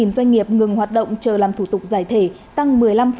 ba mươi năm doanh nghiệp ngừng hoạt động chờ làm thủ tục giải thể tăng một mươi năm bảy